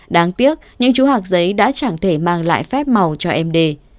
đáng tiếc những chú hạc giấy đã chẳng thể mang lại phép màu cho em đề